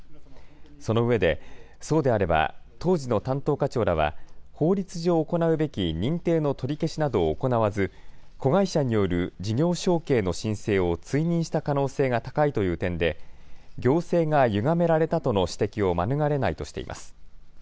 そのうえで、そうであれば当時の担当課長らは法律上行うべき認定の取り消しなどを行わず子会社による事業承継の申請を追認した可能性が高いという点で行政がゆがめられたとの指摘を免れないとしています。